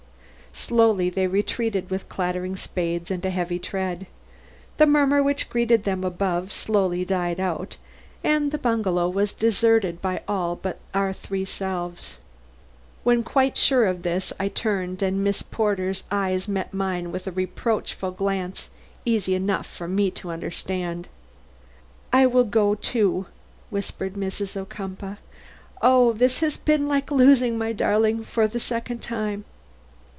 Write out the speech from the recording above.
Slowly they retreated with clattering spades and a heavy tread. The murmur which greeted them above slowly died out, and the bungalow was deserted by all but our three selves. When quite sure of this, I turned, and Miss Porter's eyes met mine with a reproachful glance easy enough for me to understand. "I will go, too," whispered Mrs. Ocumpaugh. "Oh! this has been like losing my darling for the second time!"